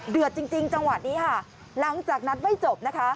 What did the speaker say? เดือดจริงจังหวัดนี้ค่ะหลังจากนัดไว้จบนะคะ